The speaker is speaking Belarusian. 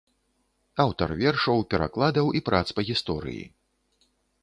Аўтар вершаў, перакладаў і прац па гісторыі.